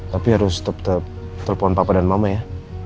tapi harus tetep tepon papa dan mama ya